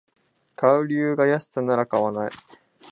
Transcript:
買う理由が安さなら買わない